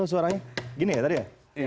suaranya gini ya tadi ya